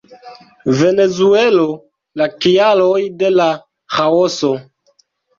Venezuelo, la kialoj de la ĥaoso.